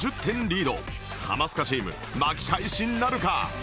ハマスカチーム巻き返しなるか？